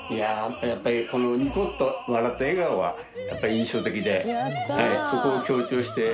やっぱりこのニコッと笑った笑顔がやっぱり印象的でそこを強調して描きましたね。